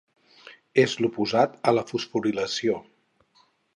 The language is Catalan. És l'oposat a la fosforilació.